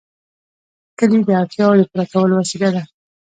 کلي د اړتیاوو د پوره کولو وسیله ده.